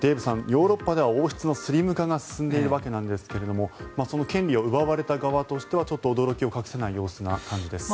ヨーロッパでは王室のスリム化が進んでいるわけですがその権利を奪われた側としてはちょっと驚きを隠せない感じです。